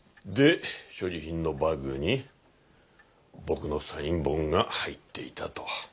で所持品のバッグに僕のサイン本が入っていたと。